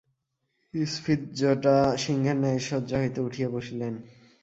স্ফীতজটা সিংহের ন্যায় শয্যা হইতে উঠিয়া বসিলেন।